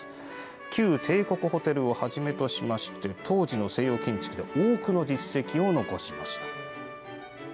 旧帝国ホテルをはじめとして当時の西洋建築で多くの実績を残しました。